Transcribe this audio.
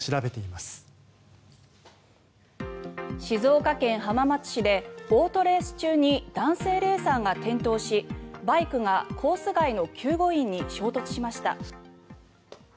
静岡県浜松市でオートレース中に男性レーサーが転倒しバイクがコース外の救護員に衝突しました。